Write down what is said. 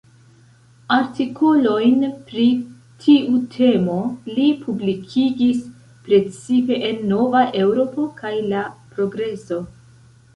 Artikolojn pri tiu temo li publikigis precipe en "Nova Eŭropo" kaj "La Progreso.